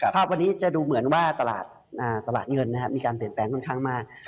ภาพวันนี้จะดูเหมือนว่าตลาดเงินมีการเปลี่ยนแปลงค่อนข้างมาก